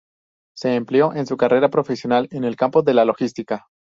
Se empleó en su carrera profesional en el campo de la logística..